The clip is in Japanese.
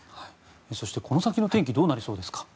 そして、この先の天気どうなりそうですか？